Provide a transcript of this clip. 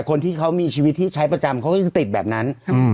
คนที่เขามีชีวิตที่ใช้ประจำเขาก็จะติดแบบนั้น